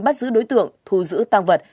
bắt giữ đối tượng thu giữ tăng vật